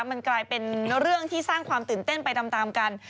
มันกลายเป็นเรื่องที่สร้างความตื่นเต้นไปตามกัน